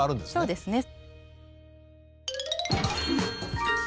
そうですね。